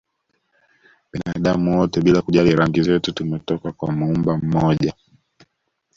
Binadamu wote bila kujali rangi zetu tumetoka kwa Muumba mmoja